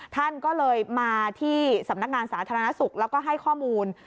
ท่านก็เลยมาที่สำนักงานสาธารณสุขแล้วก็ให้ข้อมูล